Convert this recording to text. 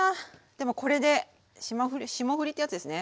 でもこれで霜降りってやつですね。